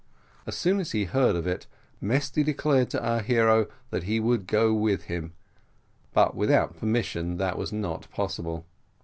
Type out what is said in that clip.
As soon as he heard of it, Mesty declared to our hero that he would go with him; but without permission that was not possible.